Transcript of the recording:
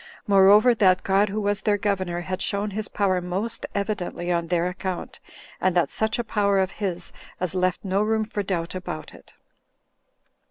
Moreover, that God, who was their Governor, had shown his power most evidently on their account, and that such a power of his as left no room for doubt about it.